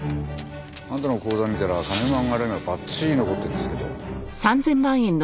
あんたの口座見たら金の流れがばっちり残ってるんですけど。